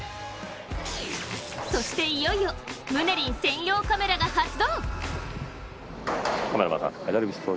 そしていよいよムネリン専用カメラが発動。